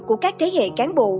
của các thế hệ cán bộ